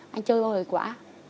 anh chưa có hồi quả